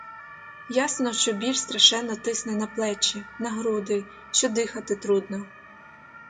Ясно, що біль страшенно тисне на плечі, на груди, що дихати трудно.